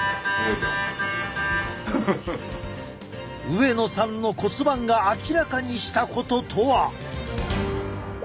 上野さんの骨盤が明らかにしたこととは！